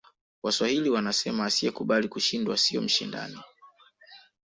waswahili wanasema asiyekubali kushindwa siyo mshindani